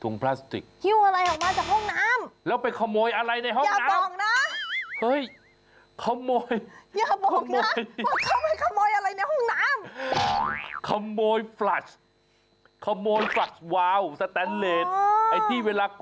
ถุงพลาสติกซ์ขิ้วอะไรออกมาจากห้องน้ำ